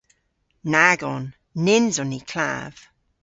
Nag on. Nyns on ni klav.